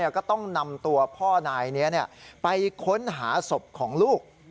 ก็ต้องนำตัวพ่อนายนี้ไปค้นหาศพของลูก